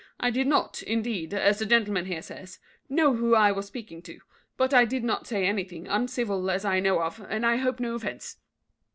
I did not, indeed, as the gentleman here says, know who I was speaking to; but I did not say anything uncivil as I know of, and I hope no offence."